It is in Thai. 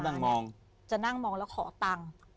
นั่งมองจะนั่งมองแล้วขอตังค์